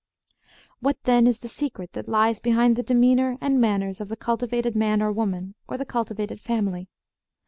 What, then, is the secret that lies behind the demeanor and manners of the cultivated man or woman, or the cultivated family?